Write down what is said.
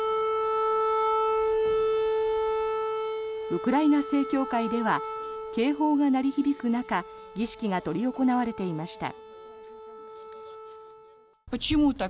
ウクライナ正教会では警報が鳴り響く中儀式が執り行われていました。